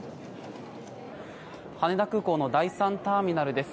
羽田空港の第３ターミナルです。